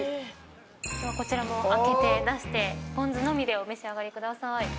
ではこちらも開けて出してぽん酢のみでお召し上がりください。